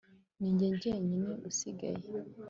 Ni jye jyenyine usigaye